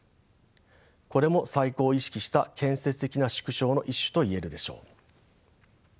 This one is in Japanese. これも再興を意識した建設的な縮小の一種と言えるでしょう。